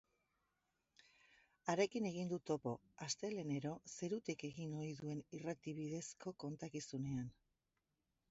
Harekin egin du topo, astelehenero zerutik egin ohi duen irrati bidezko kontakizunean.